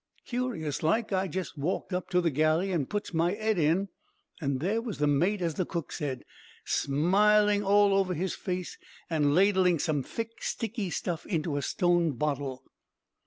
"Curious like, I jest walked up to the galley an' puts my 'ed in, an' there was the mate as the cook said, smiling all over his face, and ladling some thick sticky stuff into a stone bottle.